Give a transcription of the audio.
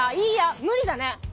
いや無理だね！